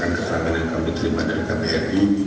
yang oleh perasaan keterangan kami terima dari kabri